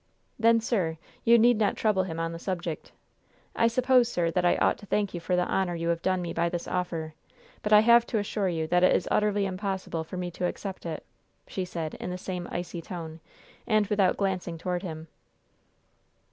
"Then, sir, you need not trouble him on the subject. I suppose, sir, that I ought to thank you for the honor you have done me by this offer, but I have to assure you that it is utterly impossible for me to accept it," she said, in the same icy tone, and without glancing toward him.